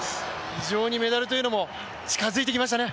非常にメダルというのも近づいてきましたね。